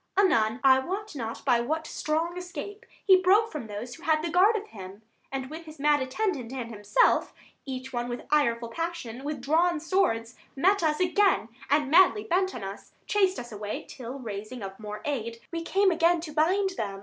Anon, I wot not by what strong escape, He broke from those that had the guard of him; And with his mad attendant and himself, 150 Each one with ireful passion, with drawn swords, Met us again, and, madly bent on us, Chased us away; till, raising of more aid, We came again to bind them.